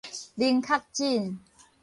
零確診